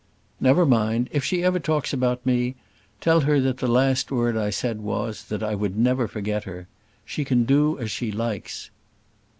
"Never mind; if she ever talks about me, tell her that the last word I said was, that I would never forget her. She can do as she likes."